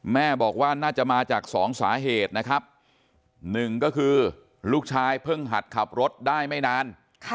แม่บอกว่าน่าจะมาจากสองสาเหตุนะครับหนึ่งก็คือลูกชายเพิ่งหัดขับรถได้ไม่นาน